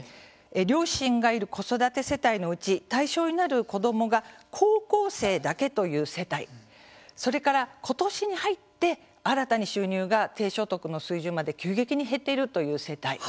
両親がいる子育て世帯のうち対象になる子どもが高校生だけという世帯それから、ことしに入って新たに収入が低所得の水準まで急激に減っているという世帯